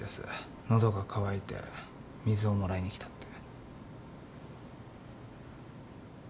喉が渇いて水をもらいに来たって。